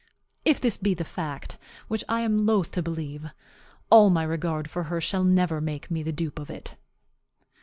If this be the fact, which I am loath to believe, all my regard for her shall never make me the dupe of it.